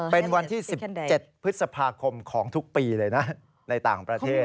เป็นวันที่๑๗พฤษภาคมของทุกปีเลยนะในต่างประเทศ